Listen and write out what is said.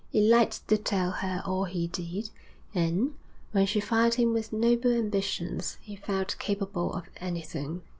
He liked to tell her all he did, and, when she fired him with noble ambitions, he felt capable of anything.